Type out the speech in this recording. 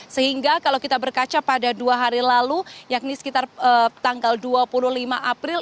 sehingga kalau kita berkaca pada dua hari lalu yakni sekitar tanggal dua puluh lima april